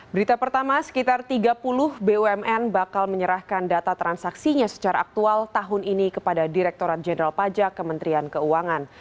berita pertama sekitar tiga puluh bumn bakal menyerahkan data transaksinya secara aktual tahun ini kepada direkturat jenderal pajak kementerian keuangan